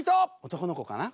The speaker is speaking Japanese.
男の子かな？